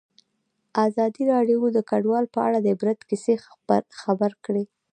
ازادي راډیو د کډوال په اړه د عبرت کیسې خبر کړي.